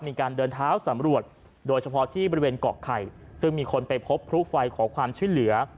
มีการเดินเท้าสำรวจโดยเฉพาะที่บริเวณเกาะไข่ซึ่งมีคนไปพบพลุไฟขอความช่วยเหลือ